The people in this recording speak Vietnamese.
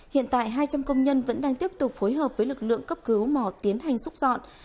hiện tại hai trăm linh công nhân vẫn đang tiếp tục phối hợp với lực lượng cấp cứu mỏ tiến hành xúc dọn